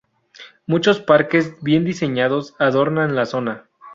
Muchos parques bien diseñados adornan la zona.